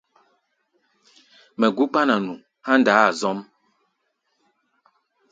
Mɛ gú kpána nu há̧ ndaá-a zɔ́m.